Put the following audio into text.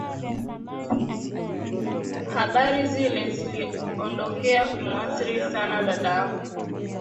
Habari zile ziliondokea kumwathiri sana dadangu